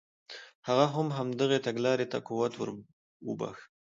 هغه هم همدغې تګلارې ته قوت ور وبخښه.